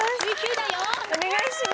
お願いします。